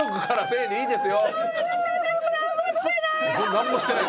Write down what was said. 何もしてない